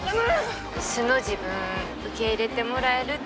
素の自分受け入れてもらえるって自信ある？